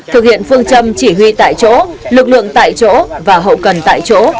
thực hiện phương châm chỉ huy tại chỗ lực lượng tại chỗ và hậu cần tại chỗ